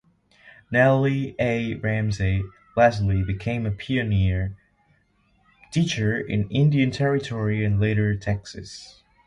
Nellie A. Ramsey Leslie became a pioneer teacher in Indian Territory and later Texas.